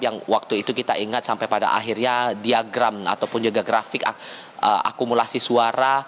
yang waktu itu kita ingat sampai pada akhirnya diagram ataupun juga grafik akumulasi suara